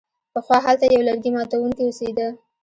پخوا هلته یو لرګي ماتوونکی اوسیده.